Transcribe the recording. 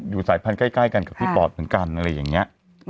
สายพันธุ์ใกล้กันกับพี่ปอดเหมือนกันอะไรอย่างนี้